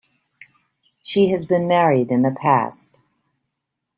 She has been married in the past.